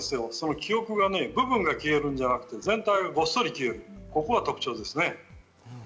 記憶が、部分が消えるんじゃなくって全体ごっそり消えるのが特徴です。